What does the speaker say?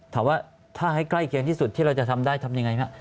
ถามว่าถ้าให้ใกล้เคียงที่สุดที่เราจะทำได้ทำยังไงครับ